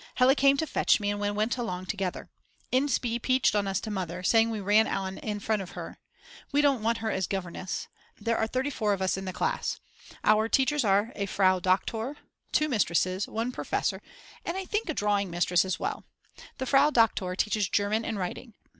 Hella came to fetch me and we went along together. Inspee peached on us to Mother, saying we ran on in front of her. We don't want her as governess. There are 34 of us in the class. Our teachers are a Frau Doktor, 2 mistresses, one professor, and I think a drawing mistress as well. The Frau Doktor teaches German and writing.